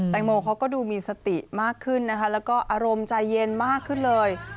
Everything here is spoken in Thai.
โมเขาก็ดูมีสติมากขึ้นนะคะแล้วก็อารมณ์ใจเย็นมากขึ้นเลย